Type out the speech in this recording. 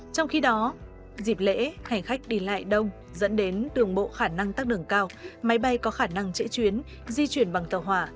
trong khi đó dịp lễ hành khách đi lại đông dẫn đến đường bộ khả năng tắt đường cao máy bay có khả năng chạy chuyến di chuyển bằng tàu hỏa